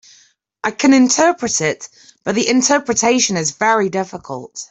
I can interpret it, but the interpretation is very difficult.